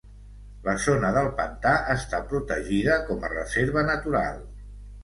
La zona del pantà està protegida com a reserva natural.